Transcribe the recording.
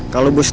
kalau bos tau